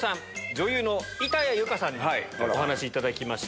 女優の板谷由夏さんにお話頂きました。